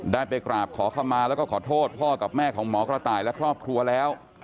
ได้ไปกราบขอเข้ามาแล้วก็ขอโทษพ่อกับแม่ของหมอกระต่ายและครอบครัวแล้ว